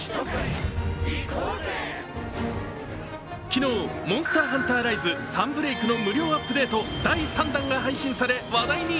昨日、「モンスターハンターライズ：サンブレイク」の無料アップデート第３弾が配信され話題に。